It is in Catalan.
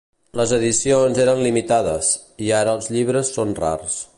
Les edicions eren limitades, i ara els llibres són rars.